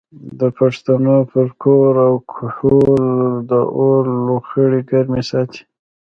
د پښتنو پر کور او کهول د اور لوخړې ګرمې ساتي.